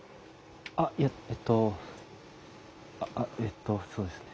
あっいええっとあっえっとそうですね。